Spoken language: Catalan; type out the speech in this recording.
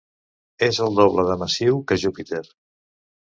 És el doble de massiu que Júpiter.